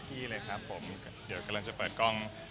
ก็ตอนนี้หลุยงานเป็นที่อยากเปิดกล้อง